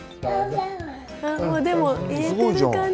でも言えてる感じ。